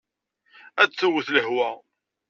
Ad twet lehwa.